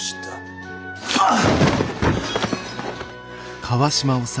あっ！